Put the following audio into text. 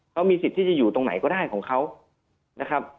เขามีสิทธิ์ที่จะอยู่ตรงไหนก็ได้ของเขานะครับ